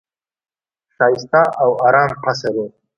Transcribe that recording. ښایسته او آرام قصر وو.